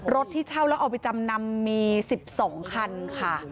ที่เช่าแล้วเอาไปจำนำมี๑๒คันค่ะ